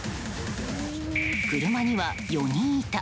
車には４人いた。